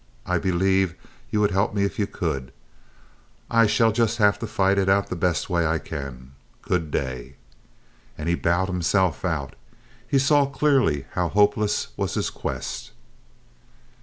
I believe you would help me if you could. I shall just have to fight it out the best way I can. Good day." And he bowed himself out. He saw clearly how hopeless was his quest.